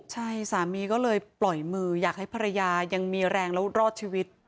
ใช่สามีก็เลยปล่อยมืออยากให้ภรรยายังมีแรงแล้วรอดชีวิต